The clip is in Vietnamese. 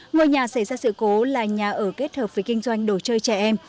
ngôi nhà xảy ra sự cố là nhà ở kết hợp với kinh doanh đồ chơi trẻ em